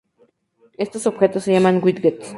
Estos objetos se llaman widgets.